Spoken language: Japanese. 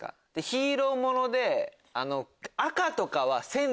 ヒーローもので。